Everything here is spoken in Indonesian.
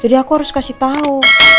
jadi aku harus kasih tau